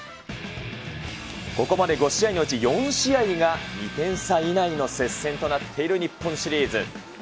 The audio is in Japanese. ここまで５試合のうち４試合が２点差以内の接戦となっている日本シリーズ。